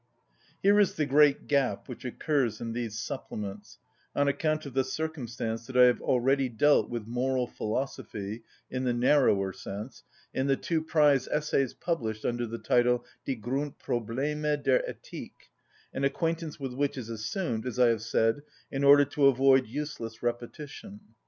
Here is the great gap which occurs in these supplements, on account of the circumstance that I have already dealt with moral philosophy in the narrower sense in the two prize essays published under the title, "Die Grundprobleme der Ethik," an acquaintance with which is assumed, as I have said, in order to avoid useless repetition.